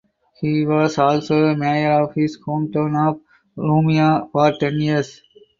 He was also mayor of his hometown of Rumia for ten years.